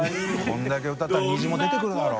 こんだけ歌ってたら虹も出てくるだろ。）